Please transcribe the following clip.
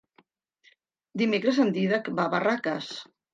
Dimecres en Dídac va a Barraques.